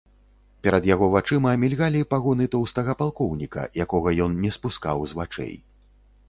Перад яго вачамі мільгалі пагоны тоўстага палкоўніка, якога ён не спускаў з вачэй.